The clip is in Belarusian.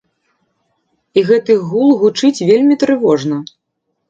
І гэты гул гучыць вельмі трывожна.